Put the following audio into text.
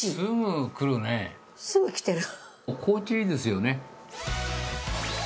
すぐ来てる。